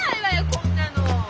こんなの！